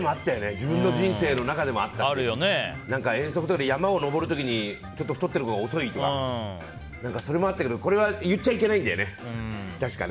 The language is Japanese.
自分の人生の中でもあったし遠足とかで山を登る時にちょっと太っている子が遅いとかそれは言っちゃいけないんだよね。